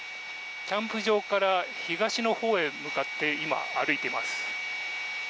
キャンプ場から東のほうへ向かって今、歩いています。